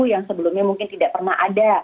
yang sebelumnya mungkin tidak pernah ada